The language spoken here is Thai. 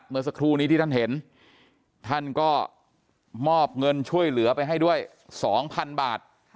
เมื่อสักครู่นี้ที่ท่านเห็นท่านก็มอบเงินช่วยเหลือไปให้ด้วย๒๐๐๐บาท